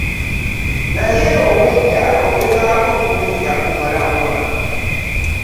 Naye obwedda ogezaako okunzigya ku mulamwa.